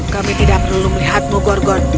kami tidak perlu melihatmu gorgon